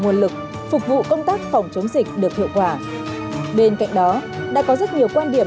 nguồn lực phục vụ công tác phòng chống dịch được hiệu quả bên cạnh đó đã có rất nhiều quan điểm